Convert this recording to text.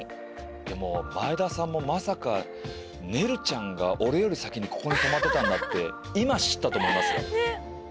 でも前田さんもまさかねるちゃんが俺より先にここに泊まってたんだって今知ったと思いますよ。